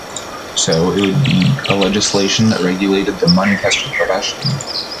So, it would be a legislation that regulated the money tester profession.